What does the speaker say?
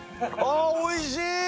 あおいしい！